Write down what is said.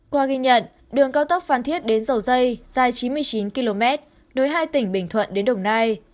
qua ghi nhận đường cao tốc phan thiết đến dầu dây dài chín mươi chín km nối hai tỉnh bình thuận đến đồng nai